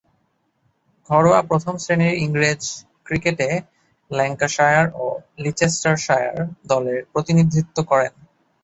ঘরোয়া প্রথম-শ্রেণীর ইংরেজ ক্রিকেটে ল্যাঙ্কাশায়ার ও লিচেস্টারশায়ার দলের প্রতিনিধিত্ব করেন।